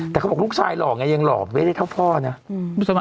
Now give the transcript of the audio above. แต่เขาบอกลูกชายหล่อไงยังหล่อไม่ได้เท่าพ่อนะ